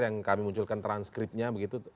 yang kami munculkan transkripnya begitu